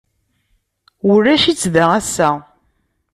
Ulac-itt da ass-a.